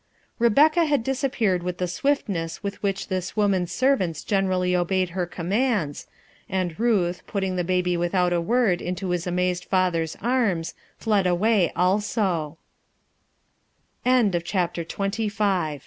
Rebecca had disappeared with the swiftness with which this woman's servants generally obeyed her commands, and Ruth, putting the baby without a word into his amazed father's arms, fled away als